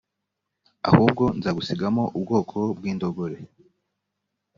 ahubwo nzagusigamo ubwoko bw indogore